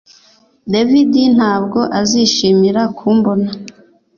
David ntabwo azishimira kumbona